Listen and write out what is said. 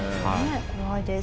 怖いです。